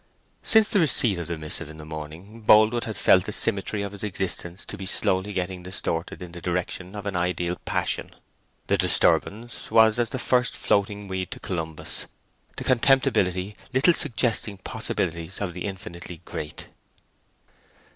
Since the receipt of the missive in the morning, Boldwood had felt the symmetry of his existence to be slowly getting distorted in the direction of an ideal passion. The disturbance was as the first floating weed to Columbus—the contemptibly little suggesting possibilities of the infinitely great.